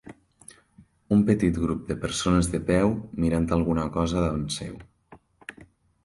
Un petit grup de persones de peu mirant alguna cosa davant seu.